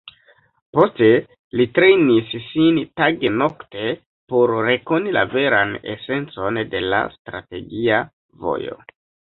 Poste li trejnis sin tage-nokte por rekoni la veran esencon de la Strategia Vojo.